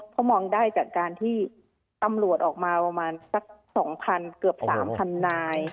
เขามองได้จากการที่ตำรวจออกมาประมาณสัก๒๐๐เกือบ๓๐๐นาย